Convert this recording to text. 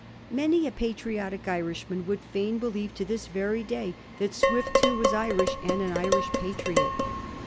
Many a patriotic Irishman would fain believe to this very day that Swift, too, was Irish, and an Irish patriot.